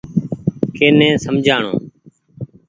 ڪي ني سمجهاڻو ۔